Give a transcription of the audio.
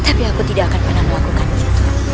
tapi aku tidak akan pernah melakukan itu